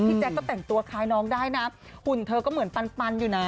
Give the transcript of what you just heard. แจ๊คก็แต่งตัวคล้ายน้องได้นะหุ่นเธอก็เหมือนปันอยู่นะ